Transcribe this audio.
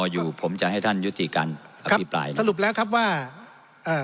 อยู่ผมจะให้ท่านยุติการอภิปรายสรุปแล้วครับว่าเอ่อ